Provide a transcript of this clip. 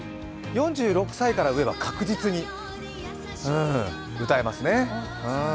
４６歳から上は確実に歌えますね。